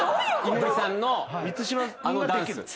井森さんのあのダンス。